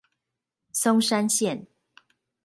松山線